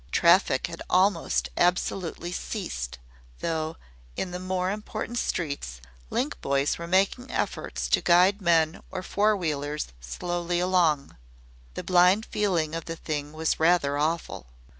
Traffic had almost absolutely ceased, though in the more important streets link boys were making efforts to guide men or four wheelers slowly along. The blind feeling of the thing was rather awful.